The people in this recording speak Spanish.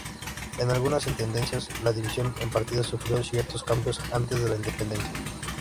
En algunas intendencias, la división en partidos sufrió ciertos cambios antes de la independencia.